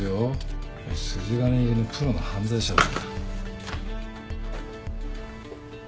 筋金入りのプロの犯罪者だ。